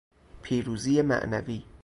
پیروزی معنوی